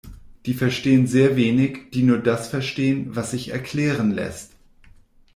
Die verstehen sehr wenig, die nur das verstehen, was sich erklären lässt.